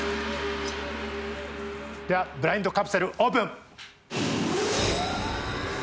ではブラインドカプセルオープン！